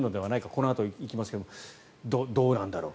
このあと行きますがどうなんだろう。